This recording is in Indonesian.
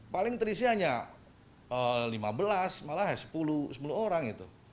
paling terisi hanya lima belas malah sepuluh orang itu